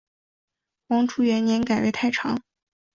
黄初元年改为太常。